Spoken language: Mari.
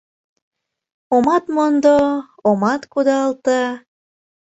Омат мондо, омат кудалте...»